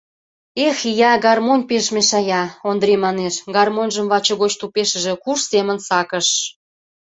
— Эх, ия, гармонь пеш мешая, — Ондрий манеш, гармоньжым вачыгоч тупешыже курш семын сакыш.